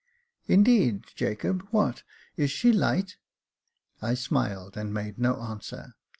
"Indeed, Jacob j what, is she light?" I smiled, and made no answer.